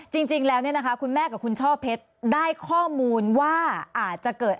จริงแล้วเนี่ยนะคะคุณแม่กับคุณช่อเพชรได้ข้อมูลว่าอาจจะเกิด